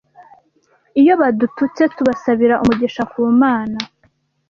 Iyo badututse tubasabira umugisha ku mana